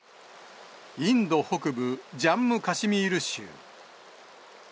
インド北部ジャンム・カシミール州。